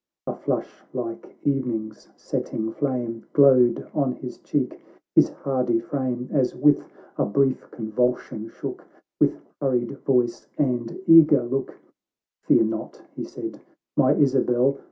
A flush like evening's setting flame Glowed on his cheek ; his hardy frame, As with a brief convulsion shook : With hurried voice and eaaer look, —" Fear not," he said, " my Isabel